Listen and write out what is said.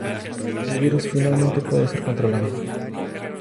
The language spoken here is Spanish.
El virus finalmente puede ser controlado.